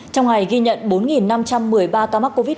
trong ngày ghi nhận bốn năm trăm một mươi ba ca mắc covid một mươi chín